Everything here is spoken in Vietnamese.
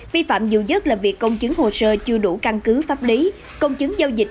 vi phạm nhiều nhất là việc công chứng hồ sơ chưa đủ căn cứ pháp lý công chứng giao dịch